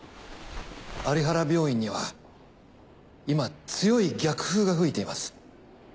有原病院には今強い逆風が吹いています。